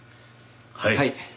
はい。